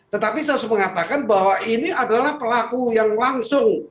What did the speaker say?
tetapi saya harus mengatakan bahwa ini adalah pelaku yang langsung